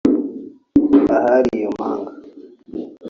ahari iyo manga